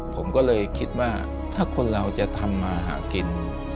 ผมก็เลยคิดว่าถ้าคนเราจะทำมาหากิน